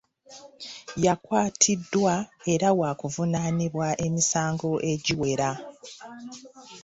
Yakwatiddwa era waakuvunaanibwa emisango egiwera.